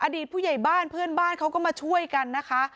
อดีตผู้ใหญ่บ้านเพื่อนบ้านเขาก็มาช่วยกันนะคะ